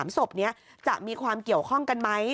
๓ศพนี้จะมีความเกี่ยวข้องกันไหม